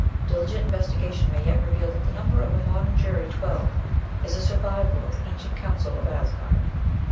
Diligent investigation may yet reveal that the number of a modern jury, twelve, is a survival of the ancient council of Asgard.